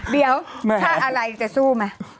เดี๋ยวถ้าอะไรจะสู้ไหม